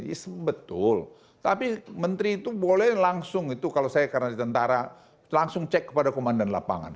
iya betul tapi menteri itu boleh langsung itu kalau saya karena di tentara langsung cek kepada komandan lapangan